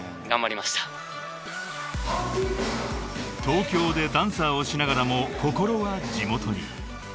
［東京でダンサーをしながらも心は地元に］